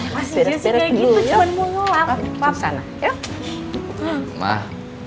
masih jasi kayak gitu cuman mau ngulap